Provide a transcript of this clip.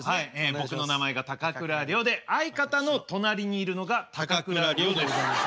僕の名前が高倉陵で相方の隣にいるのが高倉陵です。